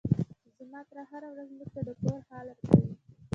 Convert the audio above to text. زما تره هره ورځ موږ ته د کور حال راکوي.